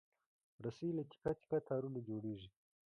رسۍ له تکه تکه تارونو جوړېږي.